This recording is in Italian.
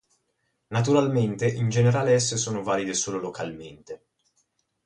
Naturalmente, in generale esse sono valide solo localmente.